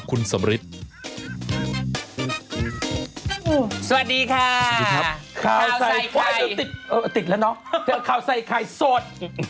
ขาวใส่ไข่สด